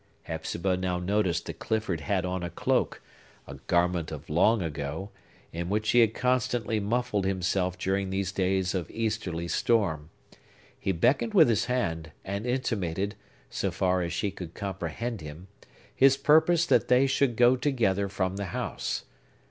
Hepzibah now noticed that Clifford had on a cloak,—a garment of long ago,—in which he had constantly muffled himself during these days of easterly storm. He beckoned with his hand, and intimated, so far as she could comprehend him, his purpose that they should go together from the house.